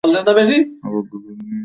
অবজ্ঞা কোরো না।